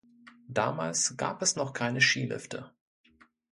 Damals gab es noch keine Skilifte.